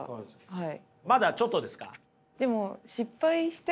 はい。